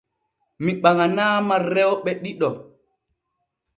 Mi ɓaŋanaama rewɓe ɗiɗo.